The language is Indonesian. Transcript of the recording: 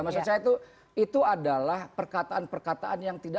maksud saya itu adalah perkataan perkataan yang tidak